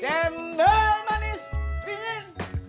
cendol manis dingin